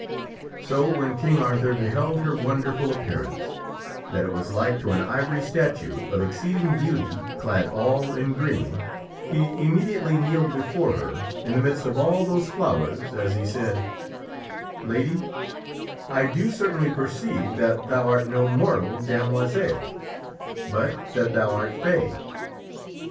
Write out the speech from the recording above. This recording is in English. So when King Arthur beheld her wonderful appearance, that it was like to an ivory statue of exceeding beauty clad all in green, he immediately kneeled Lady of the before her in the midst of all those flowers as he said, " Lady, I do certainly perceive that thou art no mortal damoiselle, but that thou art Fay.